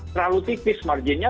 terlalu tipis marginnya